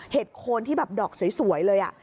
เห็ดโค้นที่ดอกสวยเลย